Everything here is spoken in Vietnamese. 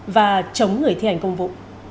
và chống người thi hành công vụ